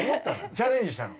チャレンジしたの。